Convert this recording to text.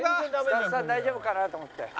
スタッフさん大丈夫かなと思って。